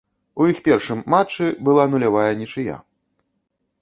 У іх першым матчы была нулявая нічыя.